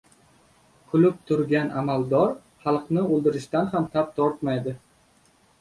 • Kulib turgan amaldor xalqni o‘ldirishdan ham tap tortmaydi.